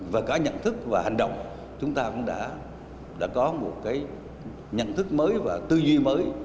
và cả nhận thức và hành động chúng ta cũng đã có một cái nhận thức mới và tư duy mới